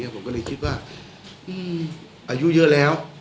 ผมก็เลยคิดว่าอายุเยอะแล้ว